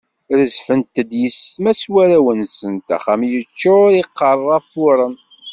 Rezfent-d yessetma s warraw-nsent, axxam yeččur, iqerra fuṛen.